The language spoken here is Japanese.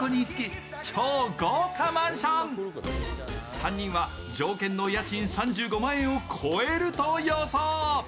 ３人は条件の家賃３５万円を超えると予想。